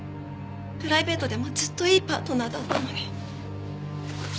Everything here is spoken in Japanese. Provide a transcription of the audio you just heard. プライベートでもずっといいパートナーだったのに。